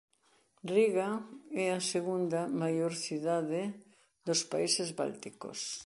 Riga é a segunda maior cidade dos Países Bálticos.